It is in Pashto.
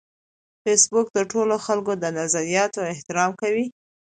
فېسبوک د ټولو خلکو د نظریاتو احترام کوي